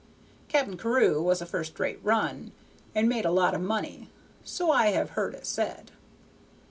Cap'n Carew had a first rate run, and made a lot of money, so I have heard it said.